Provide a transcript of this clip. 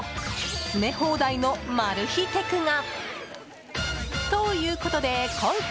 詰め放題のマル秘テクが。